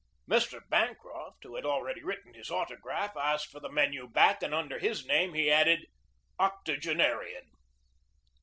Mr. Bancroft, who had already written his auto graph, asked for the menu back and under his name he added, "Octogenarian."